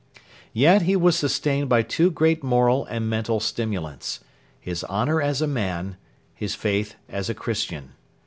Yet he was sustained by two great moral and mental stimulants: his honour as a man, his faith as a Christian.